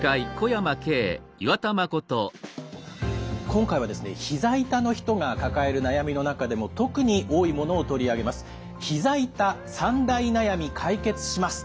今回はですねひざ痛の人が抱える悩みの中でも特に多いものを取り上げます。